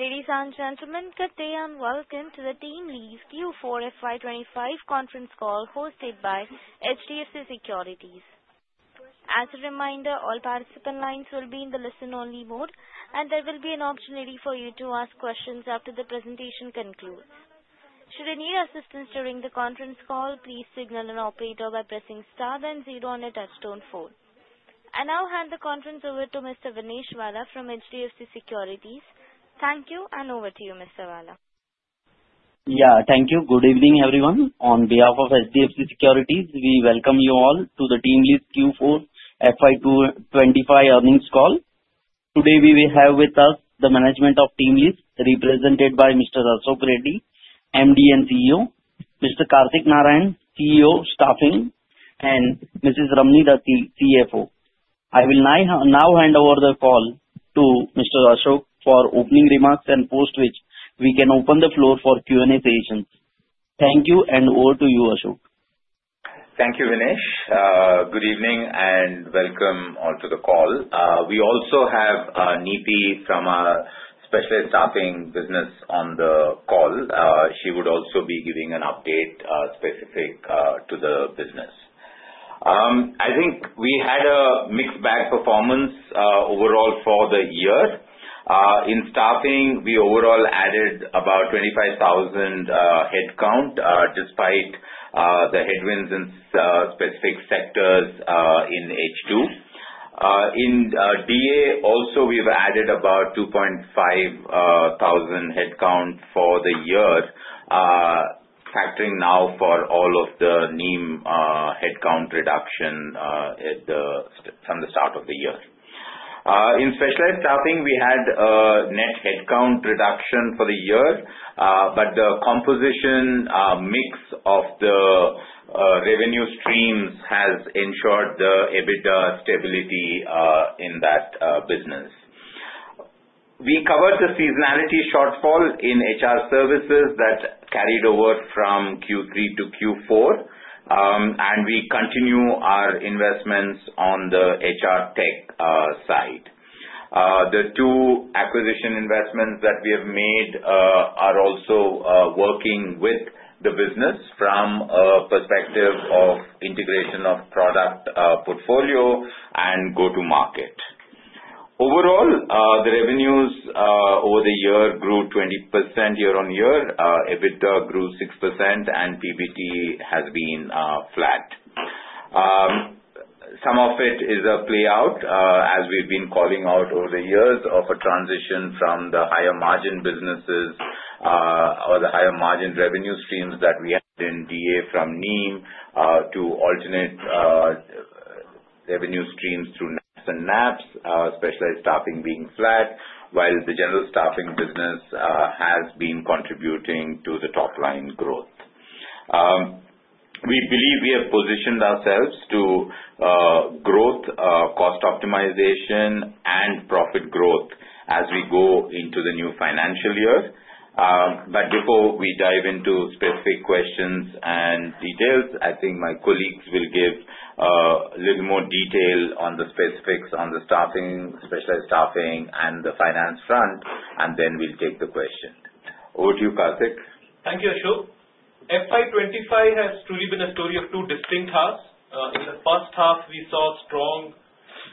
Ladies and gentlemen, good day and welcome to the TeamLease Q4 FY25 conference call hosted by HDFC Securities. As a reminder, all participant lines will be in the listen-only mode, and there will be an option ready for you to ask questions after the presentation concludes. Should you need assistance during the conference call, please signal an operator by pressing star then zero on a touch-tone phone. I now hand the conference over to Mr. Vinesh Valla from HDFC Securities. Thank you, and over to you, Mr. Valla. Yeah, thank you. Good evening, everyone. On behalf of HDFC Securities, we welcome you all to the TeamLease Q4 FY25 earnings call. Today, we will have with us the management of TeamLease, represented by Mr. Ashok Reddy, MD and CEO, Mr. Kartik Narayan, CEO, Staffing, and Mrs. Ramani Dathi, CFO. I will now hand over the call to Mr. Ashok for opening remarks and post-which, we can open the floor for Q&A sessions. Thank you, and over to you, Ashok. Thank you, Vinesh. Good evening and welcome all to the call. We also have Neeti from a specialized staffing business on the call. She would also be giving an update specific to the business. I think we had a mixed bag performance overall for the year. In staffing, we overall added about 25,000 headcount despite the headwinds in specific sectors in H2. In DA, also, we have added about 2,500 headcount for the year, factoring now for all of the NEEM headcount reduction from the start of the year. In specialized staffing, we had a net headcount reduction for the year, but the composition mix of the revenue streams has ensured the EBITDA stability in that business. We covered the seasonality shortfall in HR services that carried over from Q3 to Q4, and we continue our investments on the HR tech side. The two acquisition investments that we have made are also working with the business from a perspective of integration of product portfolio and go-to-market. Overall, the revenues over the year grew 20% year-on-year, EBITDA grew 6%, and PBT has been flat. Some of it is a playout, as we've been calling out over the years, of a transition from the higher-margin businesses or the higher-margin revenue streams that we had in DA from NEEM to alternate revenue streams through NAPS, specialized staffing being flat, while the general staffing business has been contributing to the top-line growth. We believe we have positioned ourselves to growth, cost optimization, and profit growth as we go into the new financial year. Before we dive into specific questions and details, I think my colleagues will give a little more detail on the specifics on the specialized staffing and the finance front, and then we'll take the question. Over to you, Kartik. Thank you, Ashok. FY25 has truly been a story of two distinct halves. In the first half, we saw strong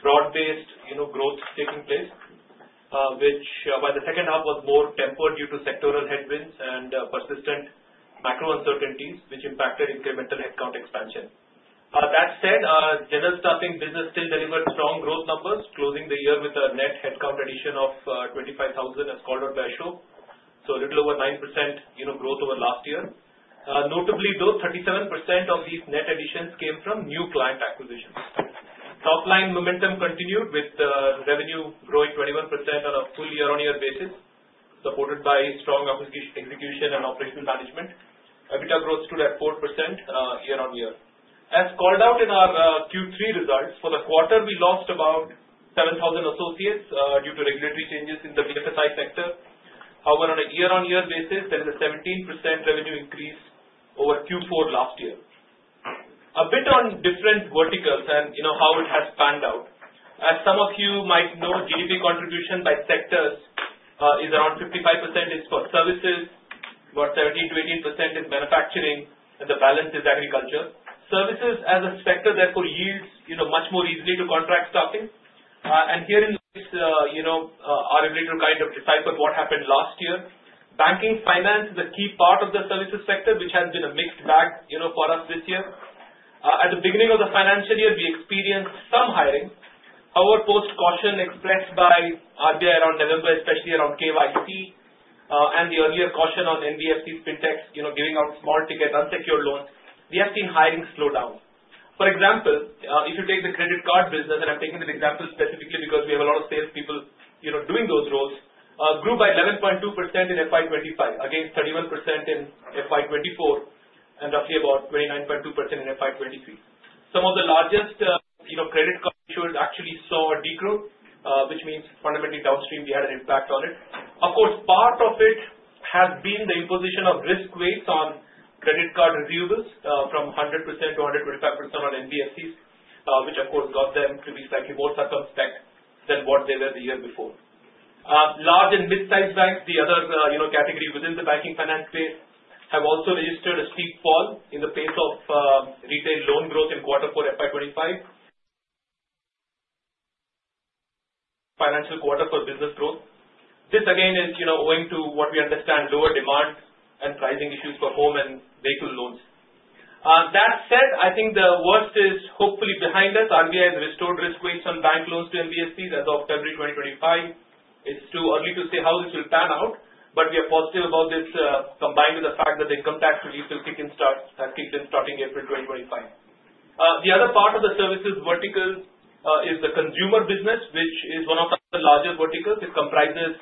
broad-based growth taking place, which by the second half was more tempered due to sectoral headwinds and persistent macro uncertainties, which impacted incremental headcount expansion. That said, general staffing business still delivered strong growth numbers, closing the year with a net headcount addition of 25,000 as called out by Ashok, so a little over 9% growth over last year. Notably, though, 37% of these net additions came from new client acquisitions. Top-line momentum continued with revenue growing 21% on a full year-on-year basis, supported by strong execution and operational management. EBITDA growth stood at 4% year-on-year. As called out in our Q3 results, for the quarter, we lost about 7,000 associates due to regulatory changes in the BFSI sector. However, on a year-on-year basis, there is a 17% revenue increase over Q4 last year. A bit on different verticals and how it has panned out. As some of you might know, GDP contribution by sectors is around 55% is for services, about 17-18% is manufacturing, and the balance is agriculture. Services as a sector therefore yields much more easily to contract staffing. In this, our ability to kind of decipher what happened last year. Banking finance is a key part of the services sector, which has been a mixed bag for us this year. At the beginning of the financial year, we experienced some hiring. However, post-caution expressed by RBI around November, especially around KYC, and the earlier caution on NBFCs, fintechs giving out small-ticket unsecured loans, we have seen hiring slow down. For example, if you take the credit card business, and I'm taking this example specifically because we have a lot of salespeople doing those roles, grew by 11.2% in FY2025, against 31% in FY2024, and roughly about 29.2% in FY2023. Some of the largest credit card issuers actually saw a decrease, which means fundamentally downstream we had an impact on it. Of course, part of it has been the imposition of risk weights on credit card resumes from 100% to 125% on NBFCs, which of course got them to be slightly more circumspect than what they were the year before. Large and mid-sized banks, the other category within the banking finance space, have also registered a steep fall in the pace of retail loan growth in quarter four FY2025, financial quarter for business growth. This, again, is owing to what we understand lower demand and pricing issues for home and vehicle loans. That said, I think the worst is hopefully behind us. RBI has restored risk weights on bank loans to NBFCs as of February 2025. It is too early to say how this will pan out, but we are positive about this combined with the fact that the income tax reviews will kick in starting April 2025. The other part of the services vertical is the consumer business, which is one of the largest verticals. It comprises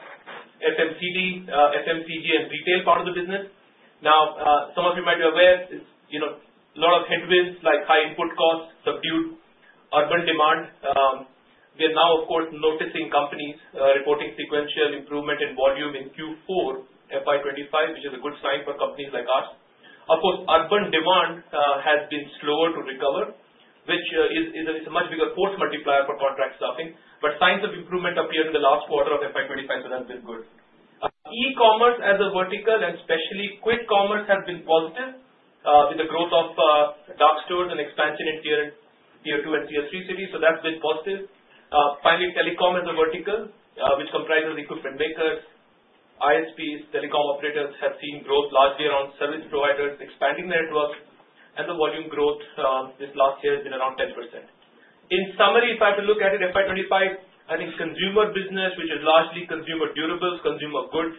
FMCG and retail part of the business. Now, some of you might be aware, a lot of headwinds like high input costs subdued urban demand. We are now, of course, noticing companies reporting sequential improvement in volume in Q4 FY25, which is a good sign for companies like ours. Of course, urban demand has been slower to recover, which is a much bigger force multiplier for contract staffing. Signs of improvement appeared in the last quarter of 2025, so that's been good. E-commerce as a vertical, and especially quick commerce, has been positive with the growth of dark stores and expansion in Tier 2 and Tier 3 cities, so that's been positive. Finally, telecom as a vertical, which comprises equipment makers, ISPs, telecom operators, has seen growth largely around service providers expanding their networks, and the volume growth this last year has been around 10%. In summary, if I have to look at it, 2025, I think consumer business, which is largely consumer durables, consumer goods,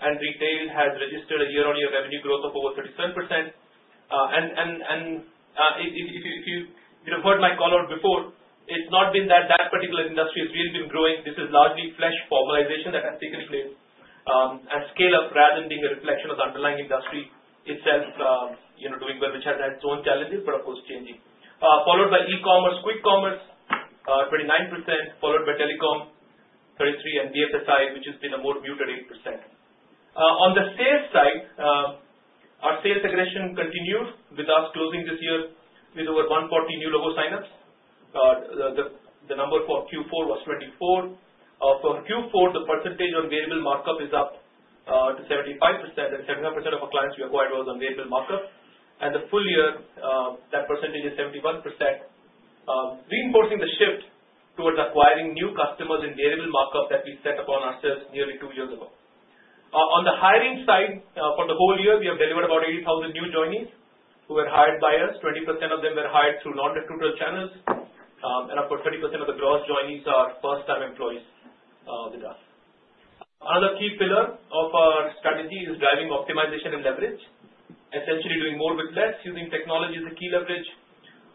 and retail, has registered a year-on-year revenue growth of over 37%. If you've heard my call out before, it's not been that that particular industry has really been growing. This is largely flesh formalization that has taken place at scale up rather than being a reflection of the underlying industry itself doing well, which has had its own challenges, but of course changing. Followed by e-commerce, quick commerce, 29%, followed by telecom, 33%, and BFSI, which has been a more muted 8%. On the sales side, our sales aggression continued with us closing this year with over 140 new logo signups. The number for Q4 was 24. For Q4, the percentage on variable markup is up to 75%, and 75% of our clients we acquired was on variable markup. For the full year, that percentage is 71%, reinforcing the shift towards acquiring new customers in variable markup that we set upon ourselves nearly two years ago. On the hiring side, for the whole year, we have delivered about 80,000 new joinees who were hired by us. 20% of them were hired through non-recruitable channels. Of course, 30% of the gross joinees are first-time employees with us. Another key pillar of our strategy is driving optimization and leverage, essentially doing more with less, using technology as a key leverage.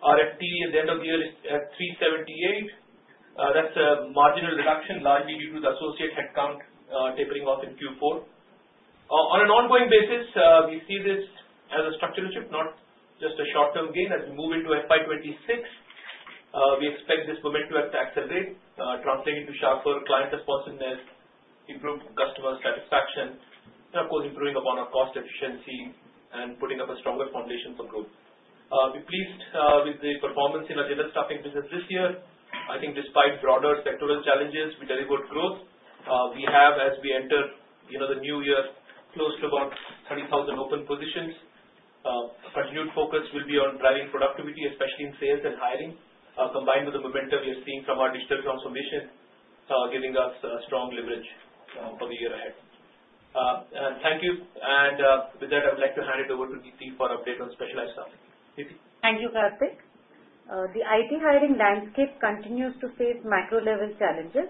RFP at the end of the year is at 378. That is a marginal reduction, largely due to the associate headcount tapering off in Q4. On an ongoing basis, we see this as a structural shift, not just a short-term gain. As we move into FY26, we expect this momentum to accelerate, translating to sharper client responsiveness, improved customer satisfaction, and of course, improving upon our cost efficiency and putting up a stronger foundation for growth. We are pleased with the performance in our general staffing business this year. I think despite broader sectoral challenges, we delivered growth. We have, as we enter the new year, close to about 30,000 open positions. Continued focus will be on driving productivity, especially in sales and hiring, combined with the momentum we are seeing from our digital transformation, giving us strong leverage for the year ahead. Thank you. With that, I would like to hand it over to Neeti for update on specialized staffing. Neeti. Thank you, Kartik. The IT hiring landscape continues to face macro-level challenges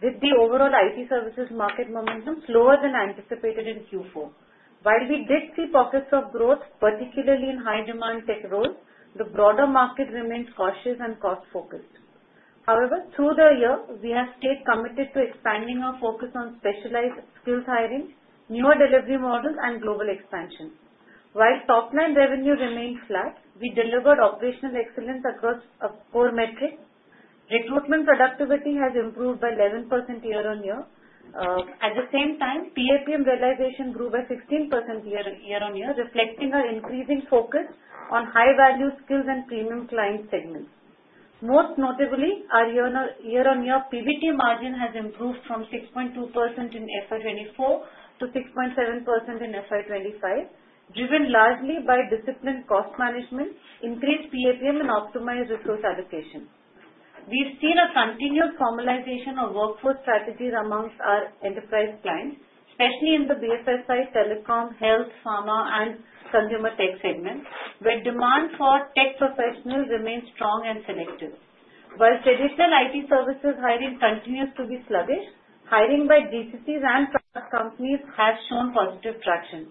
with the overall IT services market momentum slower than anticipated in Q4. While we did see pockets of growth, particularly in high-demand tech roles, the broader market remains cautious and cost-focused. However, through the year, we have stayed committed to expanding our focus on specialized skills hiring, newer delivery models, and global expansion. While top-line revenue remained flat, we delivered operational excellence across core metrics. Recruitment productivity has improved by 11% year-on-year. At the same time, PAPM realization grew by 16% year-on-year, reflecting our increasing focus on high-value skills and premium client segments. Most notably, our year-on-year PBT margin has improved from 6.2% in FY2024 to 6.7% in FY2025, driven largely by disciplined cost management, increased PAPM, and optimized resource allocation. We've seen a continued formalization of workforce strategies amongst our enterprise clients, especially in the BFSI, telecom, health, pharma, and consumer tech segments, where demand for tech professionals remains strong and selective. While traditional IT services hiring continues to be sluggish, hiring by GCCs and trust companies has shown positive traction.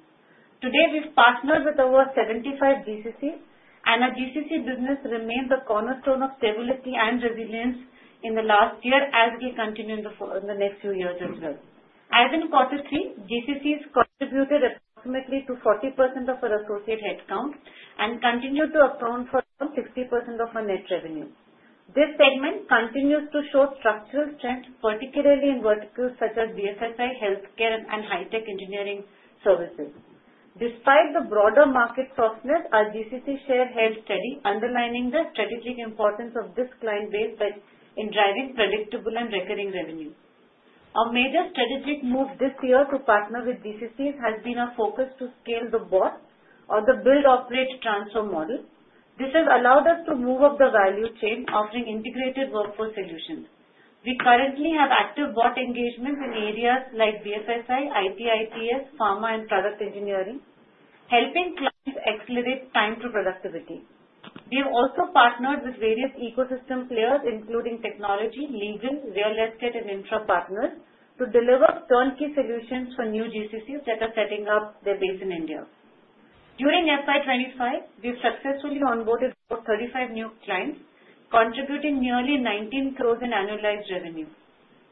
Today, we've partnered with over 75 GCCs, and our GCC business remains a cornerstone of stability and resilience in the last year, as we'll continue in the next few years as well. As in quarter three, GCCs contributed approximately to 40% of our associate headcount and continued to account for 60% of our net revenue. This segment continues to show structural strength, particularly in verticals such as BFSI, healthcare, and high-tech engineering services. Despite the broader market softness, our GCC share held steady, underlining the strategic importance of this client base in driving predictable and recurring revenue. Our major strategic move this year to partner with GCCs has been our focus to scale the BOT or the build-operate transfer model. This has allowed us to move up the value chain, offering integrated workforce solutions. We currently have active BOT engagements in areas like BFSI, IT infrastructure management, pharma, and product engineering, helping clients accelerate time to productivity. We have also partnered with various ecosystem players, including technology, legal, real estate, and intra partners, to deliver turnkey solutions for new GCCs that are setting up their base in India. During FY2025, we've successfully onboarded about 35 new clients, contributing nearly 19 crore in annualized revenue.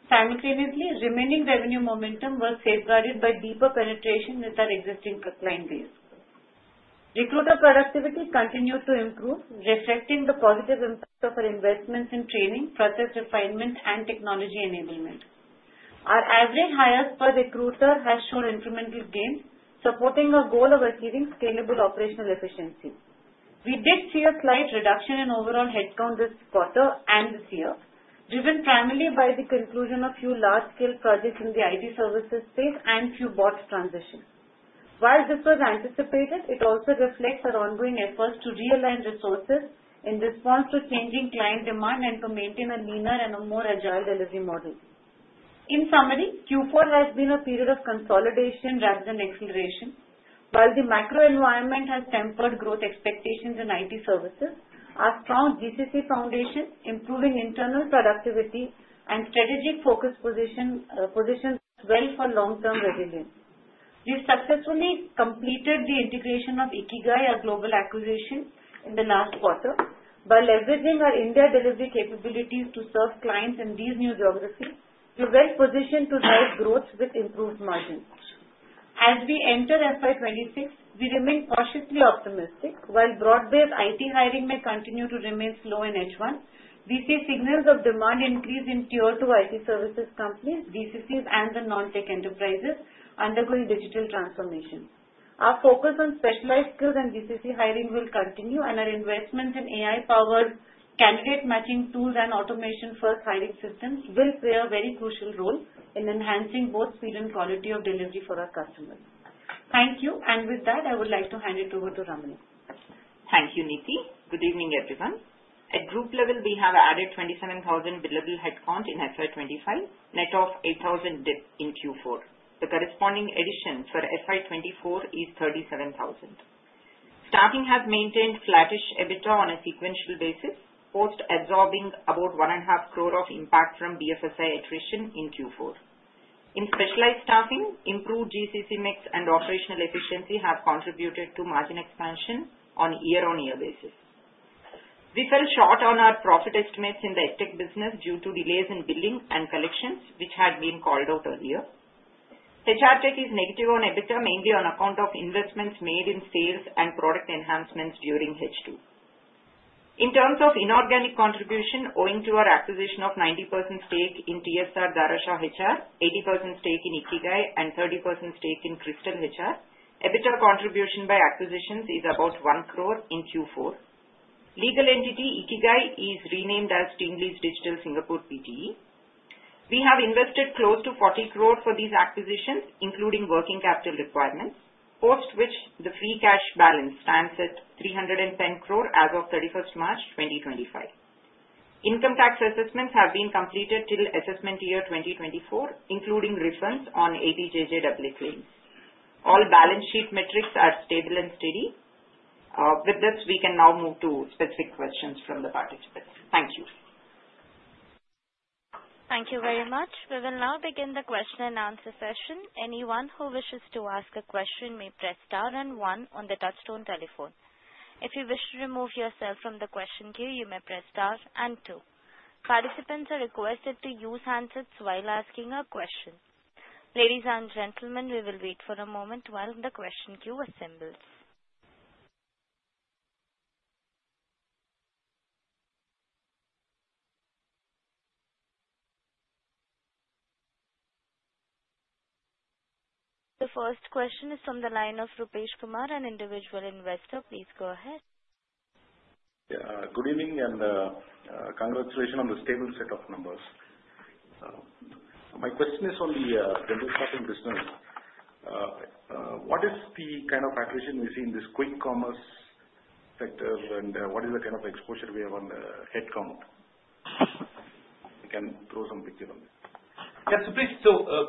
Simultaneously, remaining revenue momentum was safeguarded by deeper penetration with our existing client base. Recruiter productivity continued to improve, reflecting the positive impact of our investments in training, process refinement, and technology enablement. Our average hires per recruiter has shown incremental gains, supporting our goal of achieving scalable operational efficiency. We did see a slight reduction in overall headcount this quarter and this year, driven primarily by the conclusion of few large-scale projects in the IT services space and few BOT transitions. While this was anticipated, it also reflects our ongoing efforts to realign resources in response to changing client demand and to maintain a leaner and a more agile delivery model. In summary, Q4 has been a period of consolidation rather than acceleration. While the macro environment has tempered growth expectations in IT services, our strong GCC foundation, improving internal productivity, and strategic focus positions well for long-term resilience. We've successfully completed the integration of Ikigai, our global acquisition, in the last quarter. By leveraging our India delivery capabilities to serve clients in these new geographies, we're well positioned to drive growth with improved margins. As we enter FY 2026, we remain cautiously optimistic. While broad-based IT hiring may continue to remain slow in H1, we see signals of demand increase in Tier 2 IT services companies, GCCs, and the non-tech enterprises undergoing digital transformation. Our focus on specialized skills and GCC hiring will continue, and our investments in AI-powered candidate matching tools and automation-first hiring systems will play a very crucial role in enhancing both speed and quality of delivery for our customers. Thank you. With that, I would like to hand it over to Ramani. Thank you, Neeti. Good evening, everyone. At group level, we have added 27,000 billable headcount in FY 2025, net of 8,000 debt in Q4. The corresponding addition for FY 2024 is 37,000. Staffing has maintained flattish EBITDA on a sequential basis, post-absorbing about 1.5 crore of impact from BFSI attrition in Q4. In specialized staffing, improved GCC mix and operational efficiency have contributed to margin expansion on a year-on-year basis. We fell short on our profit estimates in the EdTech business due to delays in billing and collections, which had been called out earlier. HR tech is negative on EBITDA, mainly on account of investments made in sales and product enhancements during H2. In terms of inorganic contribution, owing to our acquisition of 90% stake in TSR Darashaw HR, 80% stake in Ikigai, and 30% stake in Crystal HR, EBITDA contribution by acquisitions is about 1 crore in Q4. Legal entity Ikigai is renamed as TeamLease Digital Singapore Pte. We have invested close to 40 crores for these acquisitions, including working capital requirements, post which the free cash balance stands at 310 crores as of 31 st March 2025. Income tax assessments have been completed till assessment year 2024, including refunds on 80JJAA claims. All balance sheet metrics are stable and steady. With this, we can now move to specific questions from the participants. Thank you. Thank you very much. We will now begin the question and answer session. Anyone who wishes to ask a question may press star and one on the touchstone telephone. If you wish to remove yourself from the question queue, you may press star and two. Participants are requested to use handsets while asking a question. Ladies and gentlemen, we will wait for a moment while the question queue assembles. The first question is from the line of Rupesh Kumar, an individual investor. Please go ahead. Good evening and congratulations on the stable set of numbers. My question is on the general staffing business. What is the kind of attrition we see in this quick commerce sector, and what is the kind of exposure we have on headcount? You can throw some picture on this. Yes, please.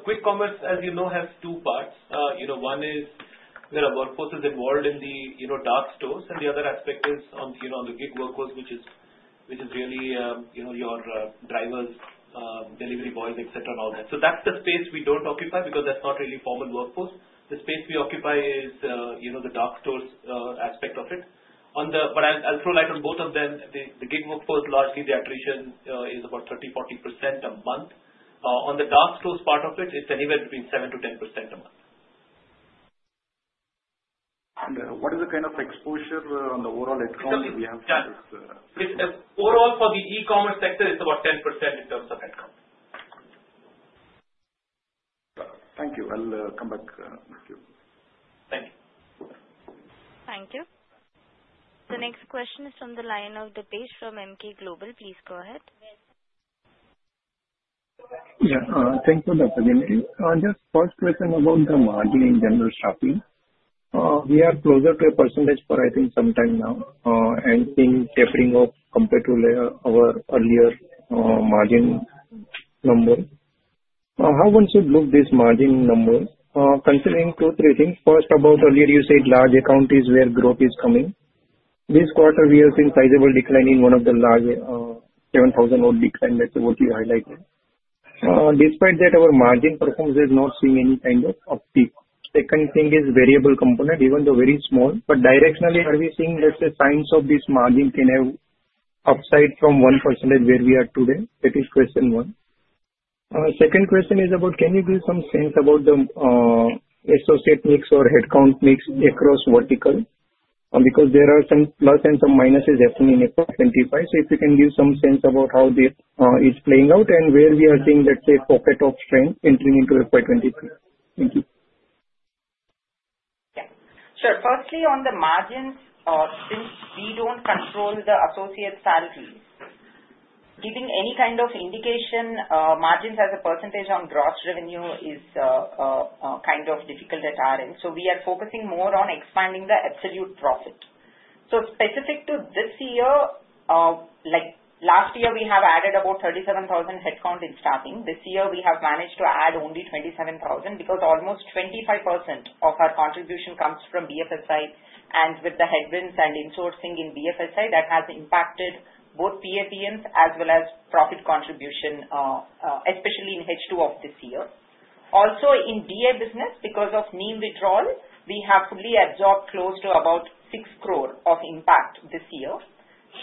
Quick commerce, as you know, has two parts. One is there are workforces involved in the dark stores, and the other aspect is on the gig workforce, which is really your drivers, delivery boys, etc., and all that. That is the space we do not occupy because that is not really formal workforce. The space we occupy is the dark stores aspect of it. I will throw light on both of them. The gig workforce, largely the attrition is about 30-40% a month. On the dark stores part of it, it is anywhere between 7-10% a month. What is the kind of exposure on the overall headcount we have? Overall, for the e-commerce sector, it's about 10% in terms of headcount. Thank you. I'll come back. Thank you. Thank you. Thank you. The next question is from the line of Dipesh from Emkay Global. Please go ahead. Yeah. Thanks for the opportunity. Just first question about the margin in general staffing. We are closer to a percentage for, I think, some time now, and things tapering off compared to our earlier margin number. How one should look at this margin number, considering two, three things. First, about earlier you said large account is where growth is coming. This quarter, we have seen sizable decline in one of the large 7,000-odd decline, that's what you highlighted. Despite that, our margin performance is not seeing any kind of uptick. Second thing is variable component, even though very small. But directionally, are we seeing, let's say, signs of this margin can have upside from 1% where we are today? That is question one. Second question is about, can you give some sense about the associate mix or headcount mix across verticals? Because there are some plus and some minuses happening in FY25. If you can give some sense about how this is playing out and where we are seeing, let's say, pocket of strength entering into FY23. Thank you. Yeah. Sure. Firstly, on the margins, since we do not control the associate salaries, giving any kind of indication, margins as a percentage on gross revenue is kind of difficult at our end. We are focusing more on expanding the absolute profit. Specific to this year, last year we have added about 37,000 headcount in staffing. This year, we have managed to add only 27,000 because almost 25% of our contribution comes from BFSI, and with the headwinds and insourcing in BFSI, that has impacted both PAPMs as well as profit contribution, especially in H2 of this year. Also, in DA business, because of NEEM withdrawal, we have fully absorbed close to about 6 crore of impact this year.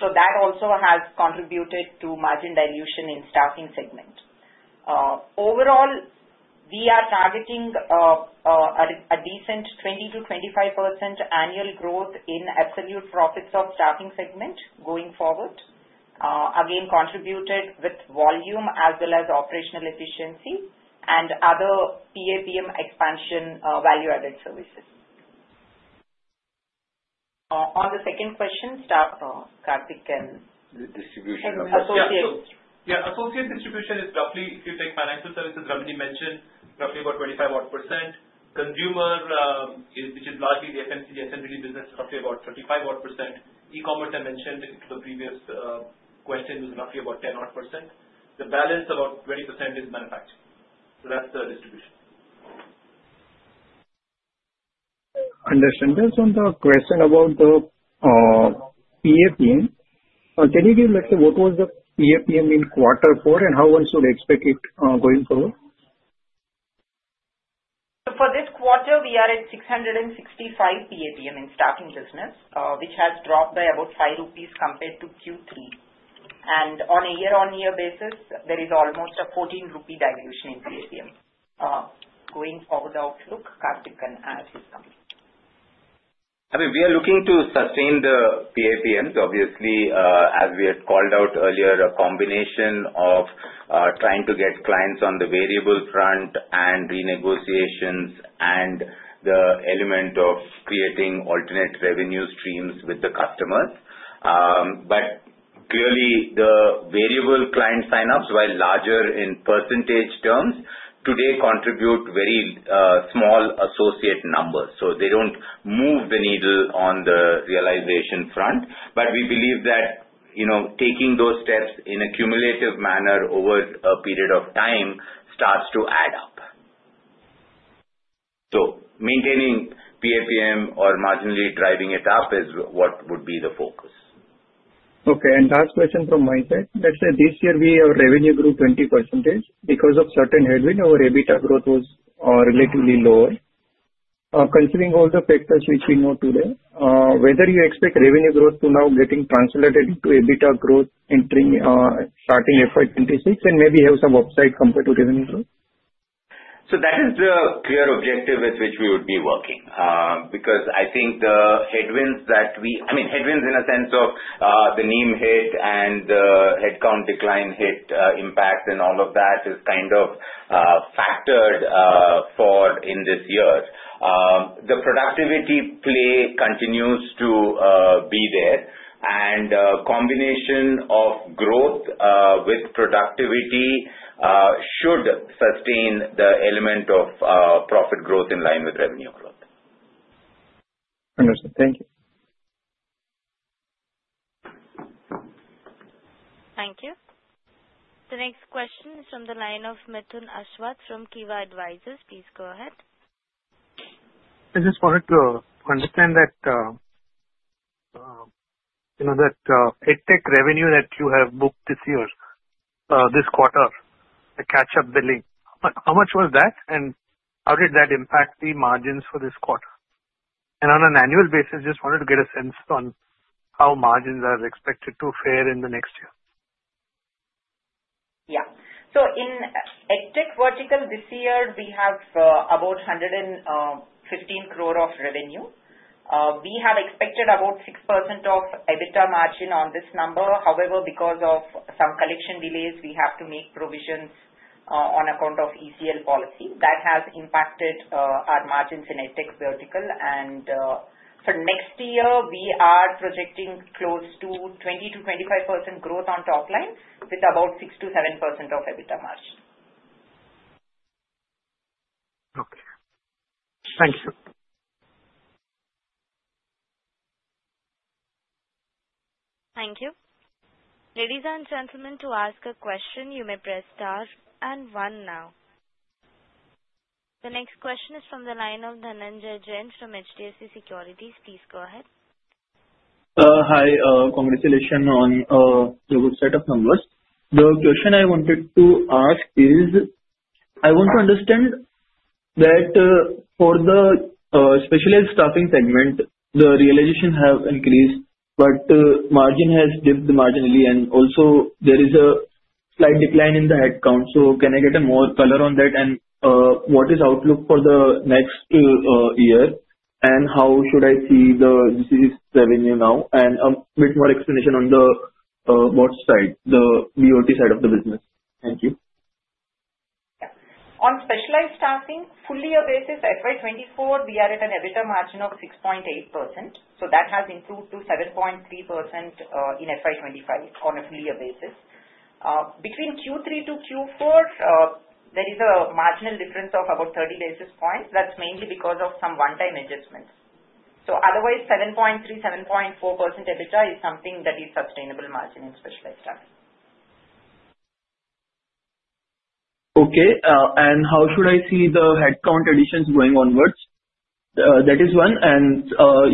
That also has contributed to margin dilution in staffing segment. Overall, we are targeting a decent 20-25% annual growth in absolute profits of staffing segment going forward, again, contributed with volume as well as operational efficiency and other PAPM expansion value-added services. On the second question, Kartik can... The distribution of associates. Yeah. Associate distribution is roughly, if you take financial services, Ramani mentioned, roughly about 25% odd. Consumer, which is largely the FMC SMG business, roughly about 35% odd. E-commerce, I mentioned in the previous question, was roughly about 10% odd. The balance, about 20%, is manufacturing. That is the distribution. Understanders on the question about the PAPM, can you give, let's say, what was the PAPM in quarter four, and how one should expect it going forward? For this quarter, we are at 665 PAPM in staffing business, which has dropped by about 5 rupees compared to Q3. On a year-on-year basis, there is almost a 14 rupee dilution in PAPM. Going forward outlook, Kartik can add his comment. I mean, we are looking to sustain the PAPMs, obviously, as we had called out earlier, a combination of trying to get clients on the variable front and renegotiations and the element of creating alternate revenue streams with the customers. Clearly, the variable client sign-ups, while larger in percentage terms, today contribute very small associate numbers. They do not move the needle on the realization front. We believe that taking those steps in a cumulative manner over a period of time starts to add up. Maintaining PAPM or marginally driving it up is what would be the focus. Okay. Last question from my side. Let's say this year we have revenue grew 20% because of certain headwinds. Our EBITDA growth was relatively lower. Considering all the factors which we know today, whether you expect revenue growth to now getting translated into EBITDA growth entering starting FY 2026 and maybe have some upside compared to revenue growth? That is the clear objective with which we would be working because I think the headwinds that we—I mean, headwinds in the sense of the NEEM hit and the headcount decline hit impact and all of that is kind of factored for in this year. The productivity play continues to be there, and a combination of growth with productivity should sustain the element of profit growth in line with revenue growth. Understood. Thank you. Thank you. The next question is from the line of Mithun Aswath from Kivah Advisors. Please go ahead. I just wanted to understand that EdTech revenue that you have booked this year, this quarter, the catch-up billing, how much was that, and how did that impact the margins for this quarter? On an annual basis, just wanted to get a sense on how margins are expected to fare in the next year. Yeah. So in EdTech vertical this year, we have about 115 crore of revenue. We have expected about 6% of EBITDA margin on this number. However, because of some collection delays, we have to make provisions on account of ECL policy. That has impacted our margins in EdTech vertical. For next year, we are projecting close to 20%-25% growth on top line with about 6%-7% of EBITDA margin. Okay. Thank you. Thank you. Ladies and gentlemen, to ask a question, you may press star and one now. The next question is from the line of Dhananjay Jain from HDFC Securities. Please go ahead. Hi. Congratulations on your good set of numbers. The question I wanted to ask is, I want to understand that for the specialized staffing segment, the realization has increased, but margin has dipped marginally, and also there is a slight decline in the headcount. Can I get more color on that, and what is the outlook for the next year, and how should I see the revenue now, and a bit more explanation on the BOT side, the BOT side of the business? Thank you. Yeah. On specialized staffing, fully a basis FY 2024, we are at an EBITDA margin of 6.8%. That has improved to 7.3% in FY 2025 on a fully a basis. Between Q3 to Q4, there is a marginal difference of about 30 basis points. That is mainly because of some one-time adjustments. Otherwise, 7.3%-7.4% EBITDA is something that is sustainable margin in specialized staffing. Okay. How should I see the headcount additions going onwards? That is one.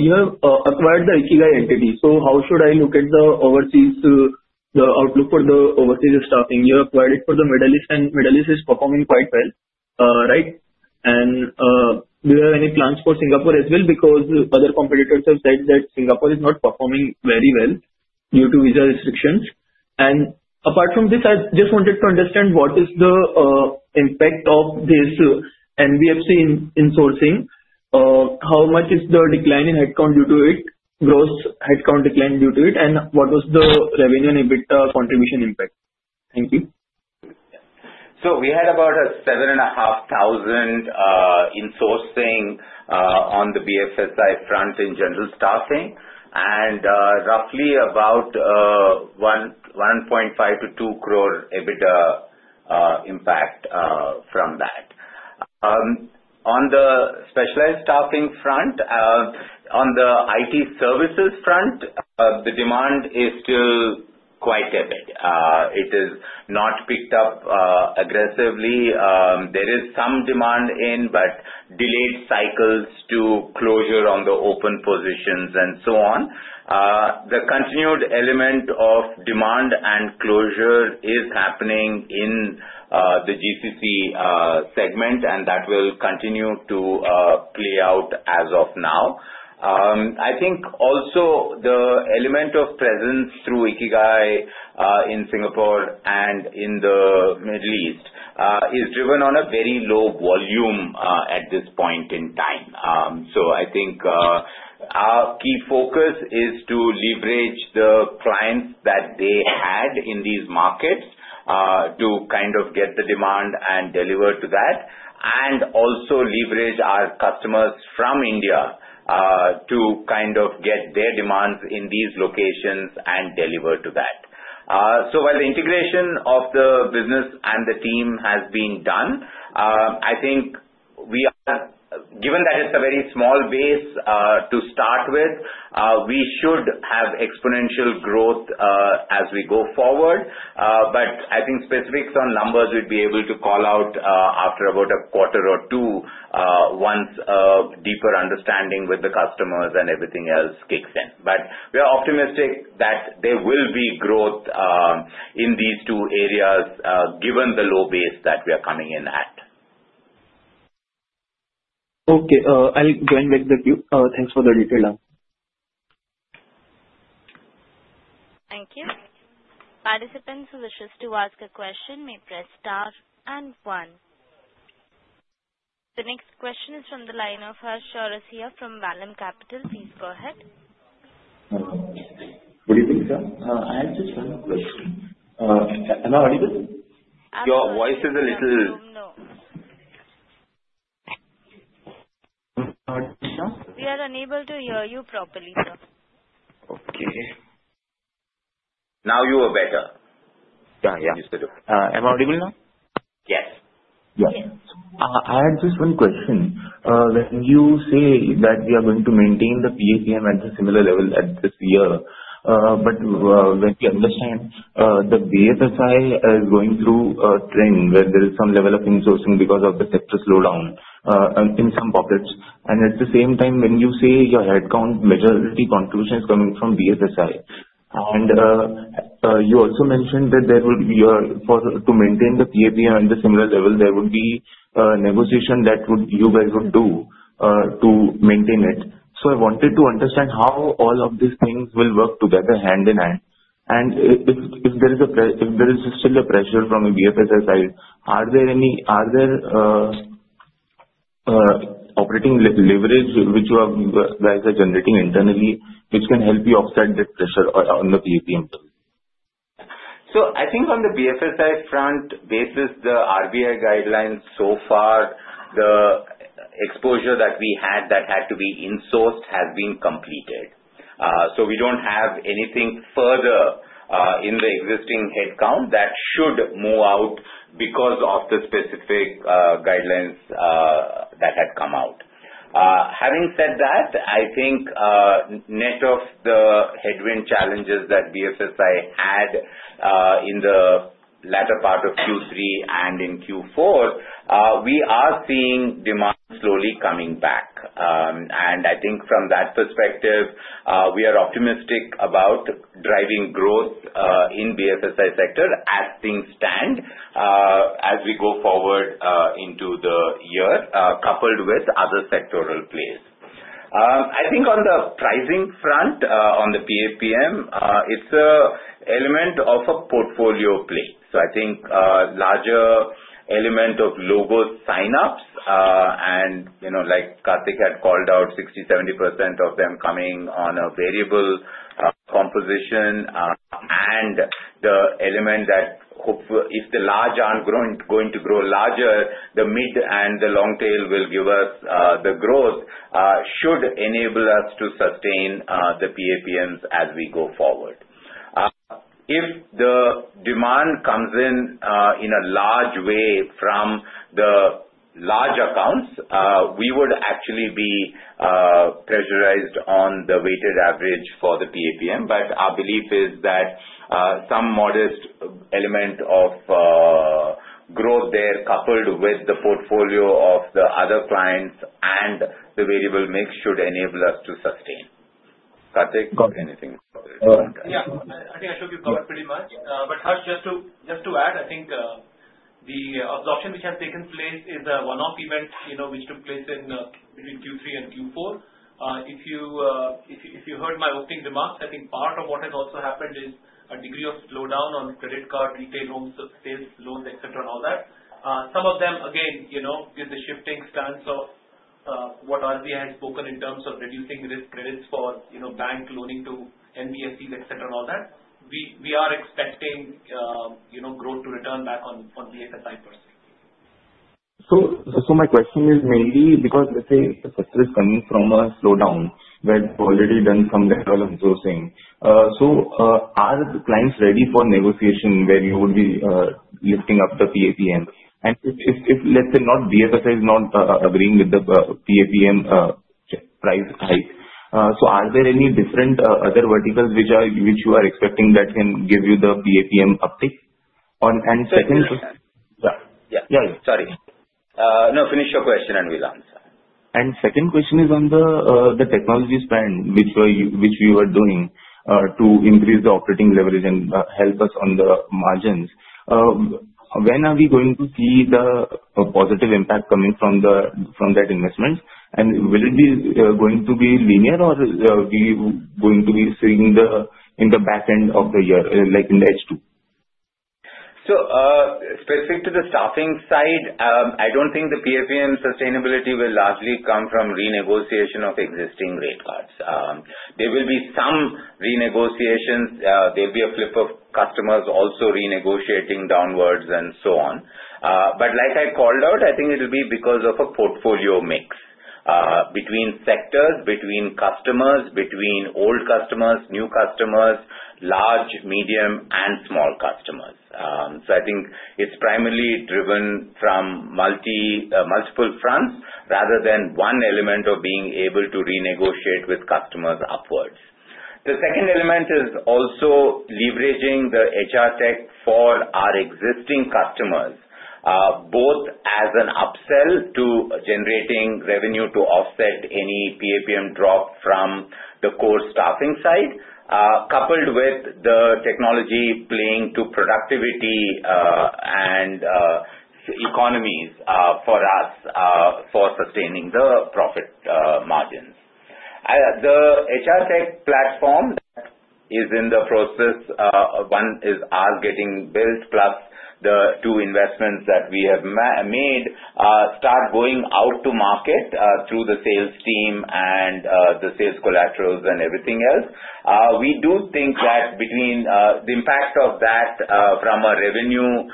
You have acquired the Ikigai entity. How should I look at the outlook for the overseas staffing? You have acquired it for the Middle East, and Middle East is performing quite well, right? Do you have any plans for Singapore as well? Other competitors have said that Singapore is not performing very well due to visa restrictions. Apart from this, I just wanted to understand what is the impact of this NBFC insourcing? How much is the decline in headcount due to it, gross headcount decline due to it, and what was the revenue and EBITDA contribution impact? Thank you. We had about 7,500 insourcing on the BFSI front in general staffing, and roughly about 15 million-20 million EBITDA impact from that. On the specialized staffing front, on the IT services front, the demand is still quite tepid. It is not picked up aggressively. There is some demand in, but delayed cycles to closure on the open positions and so on. The continued element of demand and closure is happening in the GCC segment, and that will continue to play out as of now. I think also the element of presence through Ikigai in Singapore and in the Middle East is driven on a very low volume at this point in time. I think our key focus is to leverage the clients that they had in these markets to kind of get the demand and deliver to that, and also leverage our customers from India to kind of get their demands in these locations and deliver to that. While the integration of the business and the team has been done, I think we are, given that it's a very small base to start with, we should have exponential growth as we go forward. I think specifics on numbers we'd be able to call out after about a quarter or two once a deeper understanding with the customers and everything else kicks in. We are optimistic that there will be growth in these two areas given the low base that we are coming in at. Okay. I'll join with the queue. Thanks for the detail. Thank you. Participants who wish to ask a question may press star and one. The next question is from the line of Harsh Chaurasia from Vallum Capital. Please go ahead. What do you think, sir? I have just one more question. Am I audible? Your voice is a little... No. No. We are unable to hear you properly, sir. Okay. Now you are better. Yeah. Yeah. Am I audible now? Yes. Yes. I had just one question. When you say that we are going to maintain the PAPM at a similar level at this year, but when we understand the BFSI is going through a trend where there is some level of insourcing because of the sector slowdown in some pockets. At the same time, when you say your headcount majority contribution is coming from BFSI, and you also mentioned that there would be a, to maintain the PAPM at a similar level, there would be a negotiation that you guys would do to maintain it. I wanted to understand how all of these things will work together hand in hand. If there is still a pressure from the BFSI side, are there operating leverage which you guys are generating internally which can help you offset that pressure on the PAPM? I think on the BFSI front, basis the RBI guidelines so far, the exposure that we had that had to be insourced has been completed. We do not have anything further in the existing headcount that should move out because of the specific guidelines that had come out. Having said that, net of the headwind challenges that BFSI had in the latter part of Q3 and in Q4, we are seeing demand slowly coming back. I think from that perspective, we are optimistic about driving growth in the BFSI sector as things stand as we go forward into the year, coupled with other sectoral plays. I think on the pricing front, on the PAPM, it is an element of a portfolio play. I think a larger element of logo sign-ups, and like Kartik had called out, 60-70% of them coming on a variable composition, and the element that if the large are not going to grow larger, the mid and the long tail will give us the growth should enable us to sustain the PAPMs as we go forward. If the demand comes in in a large way from the large accounts, we would actually be pressurized on the weighted average for the PAPM. Our belief is that some modest element of growth there, coupled with the portfolio of the other clients and the variable mix, should enable us to sustain. Kartik, anything further? Yeah. I think Ashok, you have covered pretty much. Hush, just to add, I think the absorption which has taken place is a one-off event which took place between Q3 and Q4. If you heard my opening remarks, I think part of what has also happened is a degree of slowdown on credit card retail, homes, sales loans, etc., and all that. Some of them, again, with the shifting stance of what RBI has spoken in terms of reducing risk credits for bank loaning to NBFCs, etc., and all that, we are expecting growth to return back on BFSI per se. My question is mainly because let's say the sector is coming from a slowdown where it's already done some level of insourcing. Are the clients ready for negotiation where you would be lifting up the PAPM? If, let's say, BFSI is not agreeing with the PAPM price hike, are there any different other verticals which you are expecting that can give you the PAPM uptick? Second. Yeah. Sorry. No, finish your question, and we'll answer. The second question is on the technology spend, which we were doing to increase the operating leverage and help us on the margins. When are we going to see the positive impact coming from that investment? Will it be linear, or are we going to be seeing it in the back end of the year, like in the H2? Specific to the staffing side, I do not think the PAPM sustainability will largely come from renegotiation of existing rate cards. There will be some renegotiations. There will be a flip of customers also renegotiating downwards and so on. Like I called out, I think it will be because of a portfolio mix between sectors, between customers, between old customers, new customers, large, medium, and small customers. I think it is primarily driven from multiple fronts rather than one element of being able to renegotiate with customers upwards. The second element is also leveraging the HR tech for our existing customers, both as an upsell to generating revenue to offset any PAPM drop from the core staffing side, coupled with the technology playing to productivity and economies for us for sustaining the profit margins. The HR tech platform is in the process. One is ours getting built, plus the two investments that we have made start going out to market through the sales team and the sales collaterals and everything else. We do think that between the impact of that from a revenue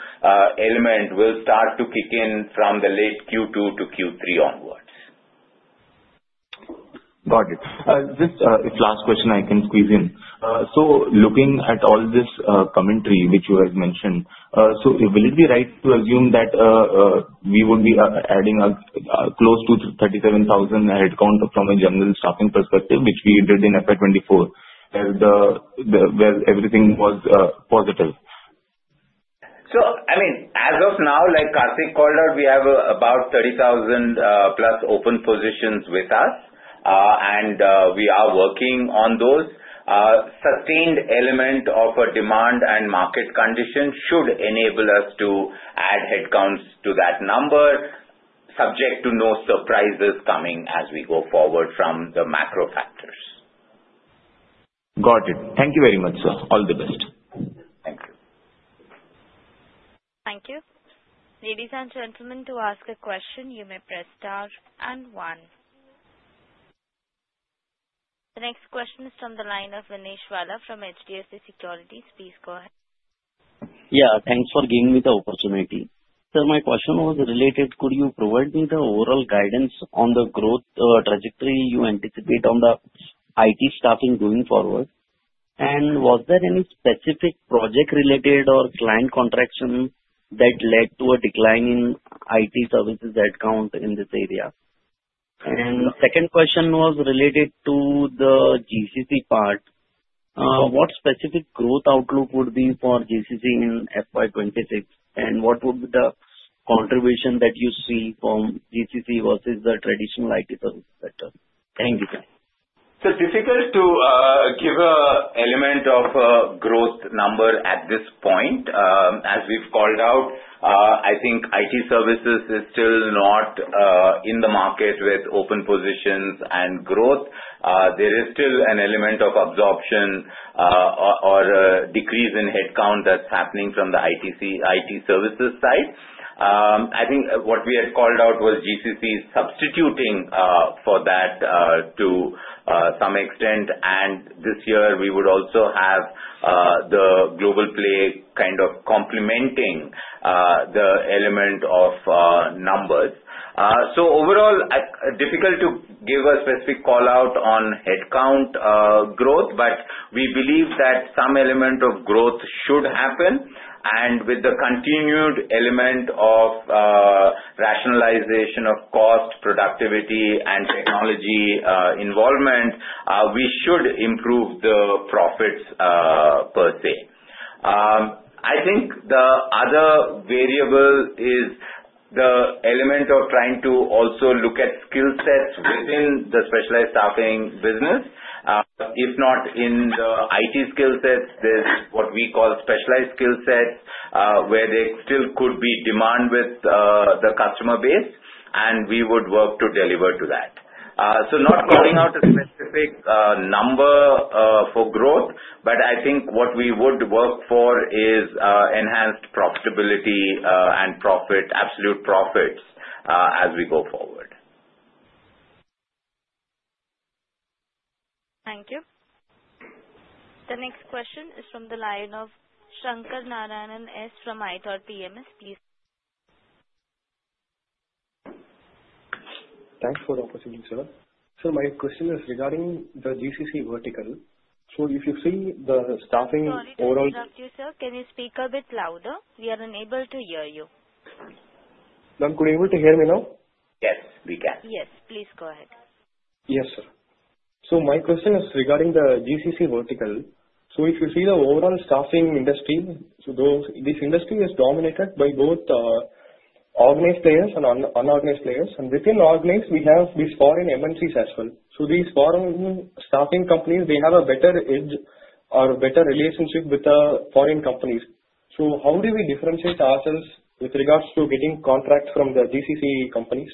element will start to kick in from the late Q2 to Q3 onwards. Got it. Just a last question I can squeeze in. Looking at all this commentary which you have mentioned, will it be right to assume that we would be adding close to 37,000 headcount from a general staffing perspective, which we did in FY2024, where everything was positive? I mean, as of now, like Kartik called out, we have about 30,000 plus open positions with us, and we are working on those. Sustained element of a demand and market condition should enable us to add headcounts to that number, subject to no surprises coming as we go forward from the macro factors. Got it. Thank you very much, sir. All the best. Thank you. Thank you. Thank you. Ladies and gentlemen, to ask a question, you may press star and one. The next question is from the line of Vinesh Vala from HDFC Securities. Please go ahead. Yeah. Thanks for giving me the opportunity. My question was related, could you provide me the overall guidance on the growth trajectory you anticipate on the IT staffing going forward? Was there any specific project-related or client contraction that led to a decline in IT services headcount in this area? My second question was related to the GCC part. What specific growth outlook would be for GCC in FY 2026? What would be the contribution that you see from GCC versus the traditional IT services sector? Thank you, sir. Difficult to give an element of growth number at this point. As we've called out, I think IT services is still not in the market with open positions and growth. There is still an element of absorption or a decrease in headcount that's happening from the IT services side. I think what we had called out was GCC substituting for that to some extent. This year, we would also have the global play kind of complementing the element of numbers. Overall, difficult to give a specific call out on headcount growth, but we believe that some element of growth should happen. With the continued element of rationalization of cost, productivity, and technology involvement, we should improve the profits per se. I think the other variable is the element of trying to also look at skill sets within the specialized staffing business. If not in the IT skill sets, there's what we call specialized skill sets where there still could be demand with the customer base, and we would work to deliver to that. Not calling out a specific number for growth, but I think what we would work for is enhanced profitability and absolute profits as we go forward. Thank you. The next question is from the line of Shankarnarayanan S. from ithoughtpms. Please. Thanks for the opportunity, sir. My question is regarding the GCC vertical. If you see the staffing overall. Sorry to interrupt you, sir. Can you speak a bit louder? We are unable to hear you. Ma'am, could you hear me now? Yes, we can. Yes. Please go ahead. Yes, sir. My question is regarding the GCC vertical. If you see the overall staffing industry, this industry is dominated by both organized players and unorganized players. Within organized, we have these foreign MNCs as well. These foreign staffing companies have a better edge or better relationship with the foreign companies. How do we differentiate ourselves with regards to getting contracts from the GCC companies?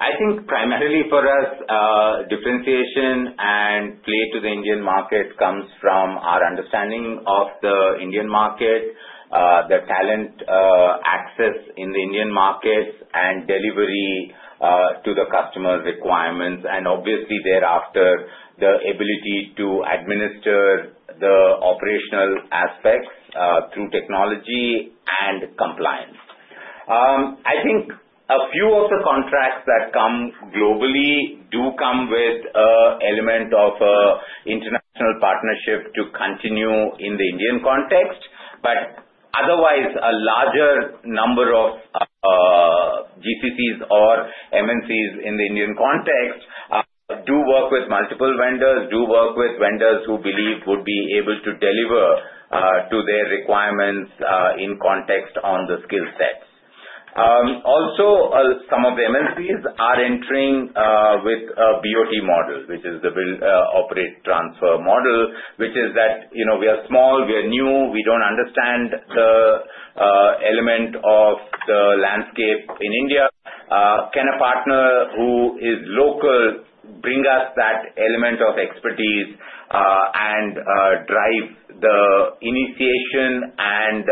I think primarily for us, differentiation and play to the Indian market comes from our understanding of the Indian market, the talent access in the Indian markets, and delivery to the customer's requirements. Obviously, thereafter, the ability to administer the operational aspects through technology and compliance. I think a few of the contracts that come globally do come with an element of an international partnership to continue in the Indian context. Otherwise, a larger number of GCCs or MNCs in the Indian context do work with multiple vendors, do work with vendors who believe would be able to deliver to their requirements in context on the skill sets. Also, some of the MNCs are entering with a BOT model, which is the builder operate transfer model, which is that we are small, we are new, we do not understand the element of the landscape in India. Can a partner who is local bring us that element of expertise and drive the initiation and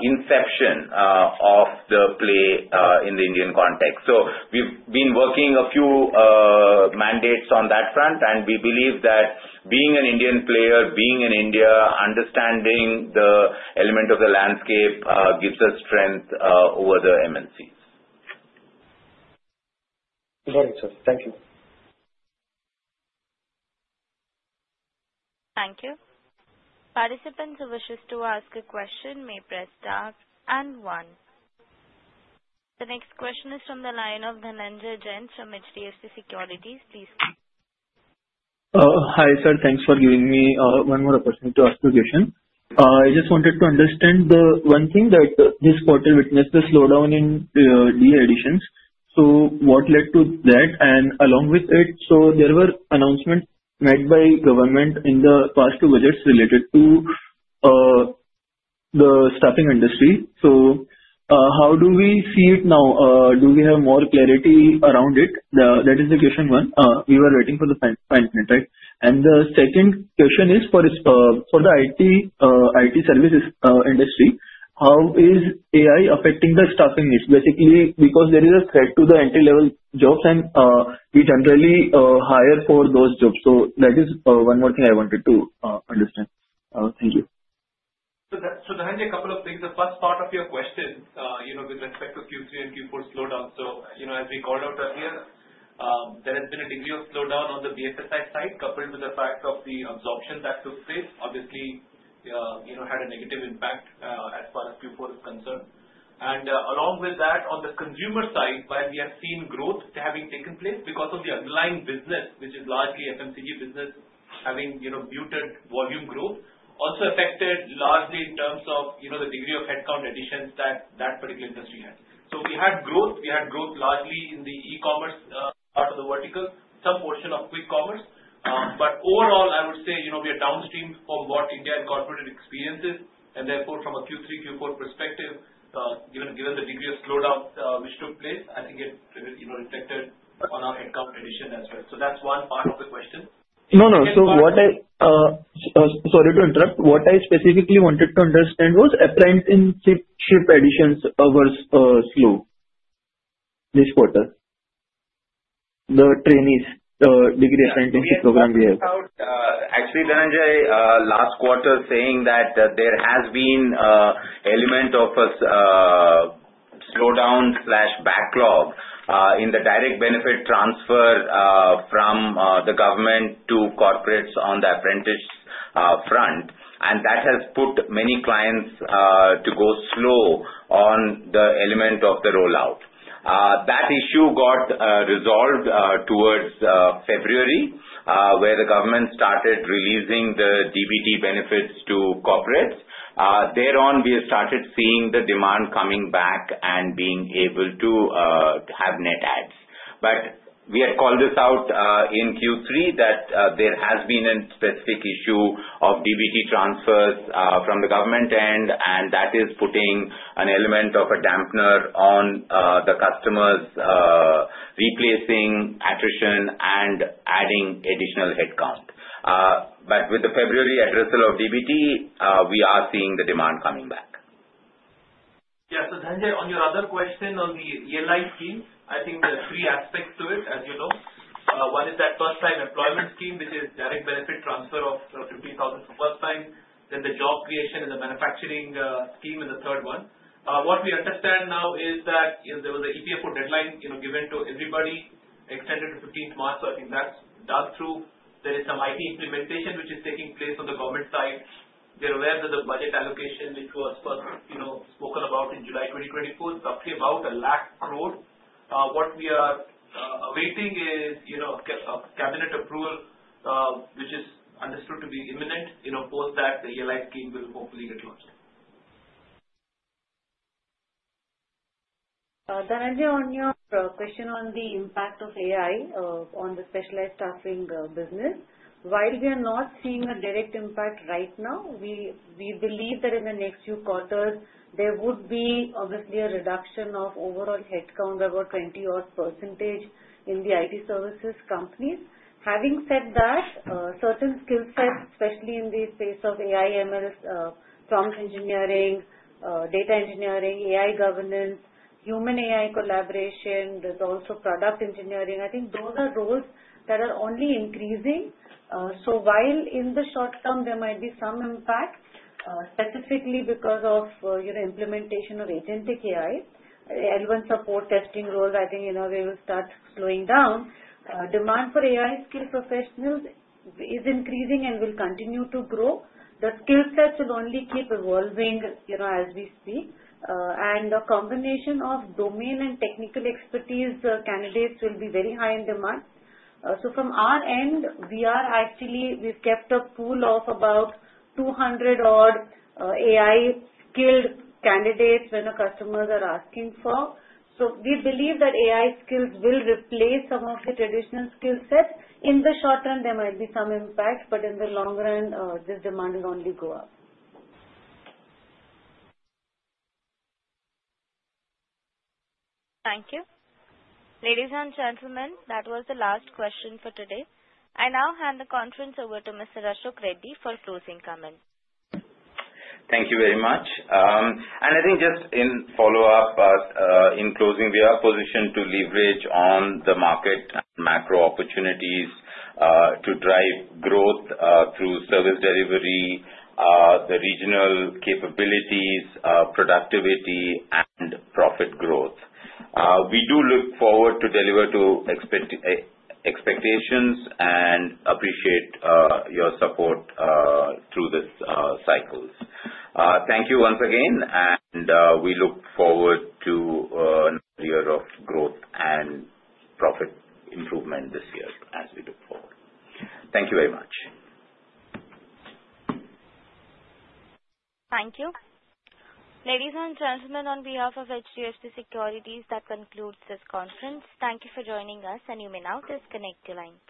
inception of the play in the Indian context? We have been working a few mandates on that front, and we believe that being an Indian player, being in India, understanding the element of the landscape gives us strength over the MNCs. Very good, sir. Thank you. Thank you. Participants who wish to ask a question may press star and one. The next question is from the line of Dhananjay Jain from HDFC Securities. Please come. Hi, sir. Thanks for giving me one more opportunity to ask a question. I just wanted to understand the one thing that this quarter witnessed the slowdown in DA editions. What led to that? Along with it, there were announcements made by government in the past two budgets related to the staffing industry. How do we see it now? Do we have more clarity around it? That is the question one. We were waiting for the final, right? The second question is for the IT services industry. How is AI affecting the staffing needs? Basically, because there is a threat to the entry-level jobs, and we generally hire for those jobs. That is one more thing I wanted to understand. Thank you. Dhananjay, a couple of things. The first part of your question with respect to Q3 and Q4 slowdown. As we called out earlier, there has been a degree of slowdown on the BFSI side coupled with the fact of the absorption that took place. Obviously, it had a negative impact as far as Q4 is concerned. Along with that, on the consumer side, while we have seen growth having taken place because of the underlying business, which is largely FMCG business having muted volume growth, also affected largely in terms of the degree of headcount additions that that particular industry had. We had growth. We had growth largely in the e-commerce part of the vertical, some portion of quick commerce. Overall, I would say we are downstream from what India incorporated experiences. Therefore, from a Q3, Q4 perspective, given the degree of slowdown which took place, I think it reflected on our headcount addition as well. That is one part of the question. No, no. What I—sorry to interrupt—what I specifically wanted to understand was apprenticeship additions were slow this quarter, the trainee's degree apprenticeship program we have. Actually, Dhananjay, last quarter saying that there has been an element of a slowdown/backlog in the direct benefit transfer from the government to corporates on the apprentice front. That has put many clients to go slow on the element of the rollout. That issue got resolved towards February, where the government started releasing the DBT benefits to corporates. Thereon, we have started seeing the demand coming back and being able to have net adds. We had called this out in Q3 that there has been a specific issue of DBT transfers from the government end, and that is putting an element of a dampener on the customers replacing attrition and adding additional headcount. With the February addressal of DBT, we are seeing the demand coming back. Yeah. Dhananjay, on your other question on the ELI scheme, I think there are three aspects to it, as you know. One is that first-time employment scheme, which is direct benefit transfer of 15,000 for first-time. Then the job creation and the manufacturing scheme in the third one. What we understand now is that there was an EPFO deadline given to everybody extended to 15th March. I think that's done through. There is some IT implementation which is taking place on the government side. We are aware that the budget allocation, which was first spoken about in July 2024, is roughly about 1 lakh crore. What we are awaiting is a cabinet approval, which is understood to be imminent. Post that, the real-life scheme will hopefully get launched. Dhananjay, on your question on the impact of AI on the specialized staffing business, while we are not seeing a direct impact right now, we believe that in the next few quarters, there would be obviously a reduction of overall headcount by about 20% in the IT services companies. Having said that, certain skill sets, especially in the space of AI/ML, prompt engineering, data engineering, AI governance, human-AI collaboration, there is also product engineering. I think those are roles that are only increasing. While in the short term, there might be some impact, specifically because of implementation of agentic AI, L1 support testing roles, I think they will start slowing down. Demand for AI skilled professionals is increasing and will continue to grow. The skill sets will only keep evolving as we speak. The combination of domain and technical expertise candidates will be very high in demand. From our end, we are actually—we've kept a pool of about 200-odd AI skilled candidates when the customers are asking for. We believe that AI skills will replace some of the traditional skill sets. In the short term, there might be some impact, but in the long run, this demand will only go up. Thank you. Ladies and gentlemen, that was the last question for today. I now hand the conference over to Mr. Ashok Reddy for closing comments. Thank you very much. I think just in follow-up, in closing, we are positioned to leverage on the market and macro opportunities to drive growth through service delivery, the regional capabilities, productivity, and profit growth. We do look forward to deliver to expectations and appreciate your support through these cycles. Thank you once again, and we look forward to another year of growth and profit improvement this year as we look forward. Thank you very much. Thank you. Ladies and gentlemen, on behalf of HDFC Securities, that concludes this conference. Thank you for joining us, and you may now disconnect the line.